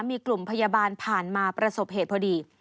มีกลุ่มพยาบาลผ่านมาประสบเหตุพอดี